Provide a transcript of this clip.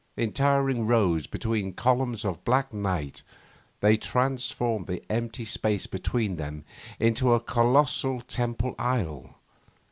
In towering rows between columns of black night they transformed the empty space between them into a colossal temple aisle.